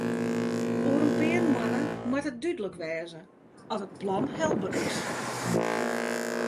Oer in pear moanne moat dúdlik wêze oft it plan helber is.